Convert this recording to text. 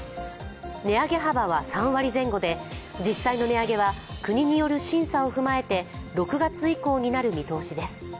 値上げ幅は３割前後で実際の値上げは国による審査を踏まえて６月以降になる見通しです。